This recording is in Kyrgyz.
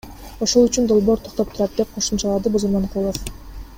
Ошол үчүн долбоор токтоп турат, — деп кошумчалады Бузурманкулов.